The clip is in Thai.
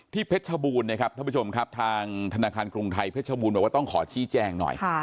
เพชรชบูรณ์นะครับท่านผู้ชมครับทางธนาคารกรุงไทยเพชรบูรณ์บอกว่าต้องขอชี้แจงหน่อย